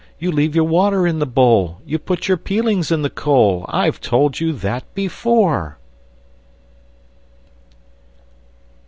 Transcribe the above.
You leave your water in the bowl, You put your peelings in the coal! I've told you that before!